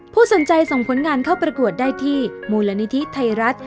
สนใจส่งผลงานเข้าประกวดได้ที่มูลนิธิไทยรัฐ